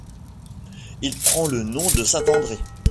Il prend le nom de Saint-André.